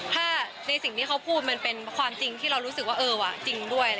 ถ้าในสิ่งที่เขาพูดมันเป็นความจริงที่เรารู้สึกว่าเออจริงด้วย